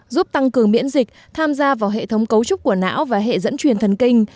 giúp tăng cường miễn dịch tham gia vào hệ thống cấu trúc của não và hệ dẫn truyền thần kinh